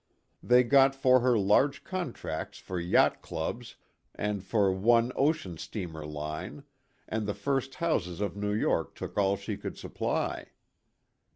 They got for her large contracts for yacht clubs and for one ocean steamer line, and the first houses of New York took all she could supply.